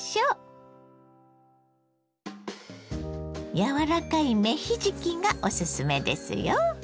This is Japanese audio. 柔らかい芽ひじきがおすすめですよ。